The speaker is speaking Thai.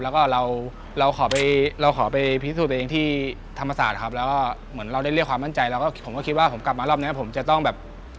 แล้วก็เราเราขอไปเราขอไปพิสูจน์ตัวเองที่ธรรมศาสตร์ครับแล้วก็เหมือนเราได้เรียกความมั่นใจแล้วก็ผมก็คิดว่าผมกลับมารอบนี้ผมจะต้องแบบ